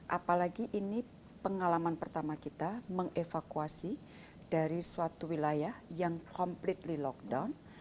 apalagi ini pengalaman pertama kita mengevakuasi dari suatu wilayah yang completely lockdown